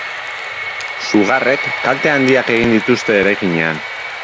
Sugarrek kalte handiak egin dituzte eraikinean.